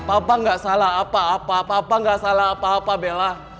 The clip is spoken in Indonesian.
papa gak salah apa apa papa gak salah apa apa bella